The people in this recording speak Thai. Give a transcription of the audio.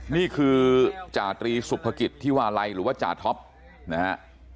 นี่คือจาตรีสุภกิจที่วาลัยหรือว่าจาท็อปนะฮะ